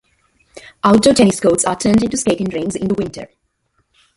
Outdoor tennis courts are turned into skating rinks in the winter.